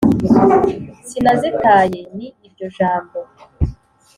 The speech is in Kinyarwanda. Sinazitaye ni iryo jambo